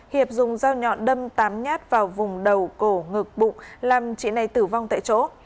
hiệp dùng dao nhọn đâm tám nhát vào vùng đầu cổ ngực bụng làm chị này tử vong tại chỗ